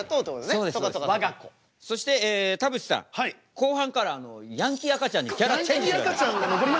後半からヤンキー赤ちゃんにキャラチェンジしてください。